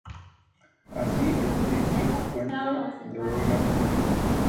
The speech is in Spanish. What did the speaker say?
Así el triste cuento de Roland llega a su fin.